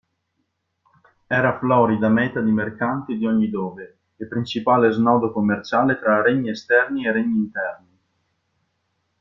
Era florida meta di mercanti di ogni dove, e principale snodo commerciale tra regni esterni e regni interni.